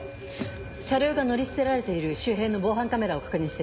車両が乗り捨てられている周辺の防犯カメラを確認して。